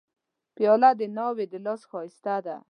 پیاله د ناوې د لاس ښایسته ده.